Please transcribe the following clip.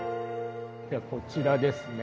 ではこちらですね。